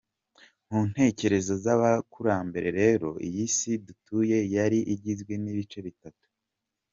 Mu ntekerezo z’Abakurambere rero, iyi “Si” dutuye yari igizwe n’ibice bitatu.